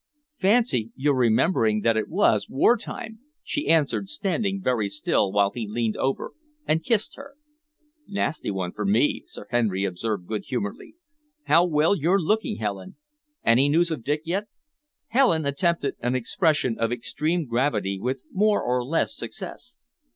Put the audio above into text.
"Fancy your remembering that it was war time!" she answered, standing very still while he leaned over and kissed her. "Nasty one for me," Sir Henry observed good humouredly. "How well you're looking, Helen! Any news of Dick yet?" Helen attempted an expression of extreme gravity with more or less success.